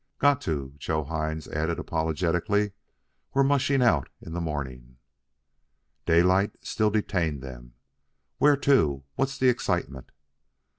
"Got to," Joe Hines added apologetically. "We're mushing out in the mornin'." Daylight still detained them. "Where to? What's the excitement?"